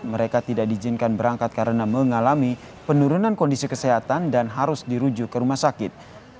mereka tidak diizinkan berangkat karena mengalami penurunan kondisi kesehatan dan harus dirujuk ke rumah sakit